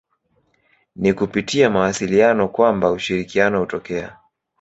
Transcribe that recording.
Ni kupitia mawasiliano kwamba ushirikiano hutokea.